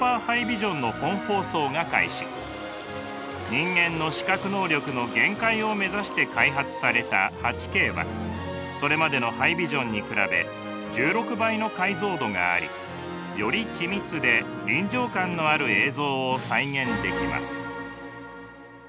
人間の視覚能力の限界を目指して開発された８Ｋはそれまでのハイビジョンに比べ１６倍の解像度がありより緻密で臨場感のある映像を再現できます。